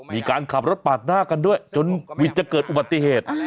มีการขับรถปาดหน้ากันด้วยจนวิทย์จะเกิดอุบัติเหตุ